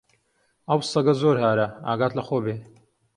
ئەو سەگە زۆر هارە، ئاگات لە خۆ بێ!